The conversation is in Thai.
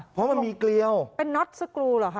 เพราะมันมีเกลียวเป็นน็อตสกรูเหรอคะ